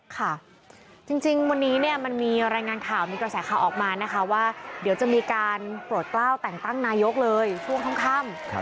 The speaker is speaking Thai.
ค่ะจริงวันนี้เนี่ยมันมีรายงานข่าวมีกระแสข่าวออกมานะคะว่าเดี๋ยวจะมีการโปรดกล้าวแต่งตั้งนายกเลยช่วงค่ำ